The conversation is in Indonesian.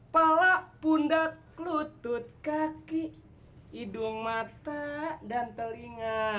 palak pundak lutut kaki hidung mata dan telinga